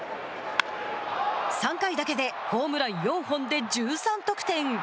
３回だけホームラン４本で１３得点。